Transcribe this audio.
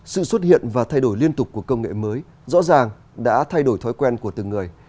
sự xuất hiện và thay đổi liên tục của công nghệ mới rõ ràng đã thay đổi thói quen của từng người